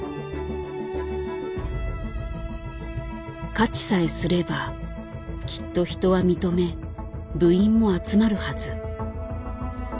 勝ちさえすればきっと人は認め部員も集まるはず。